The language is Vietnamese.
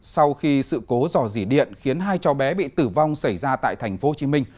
sau khi sự cố dò dỉ điện khiến hai cháu bé bị tử vong xảy ra tại tp hcm